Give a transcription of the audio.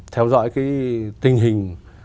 theo dõi cái tình hình